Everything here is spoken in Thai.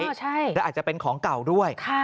ใช่และอาจจะเป็นของเก่าด้วย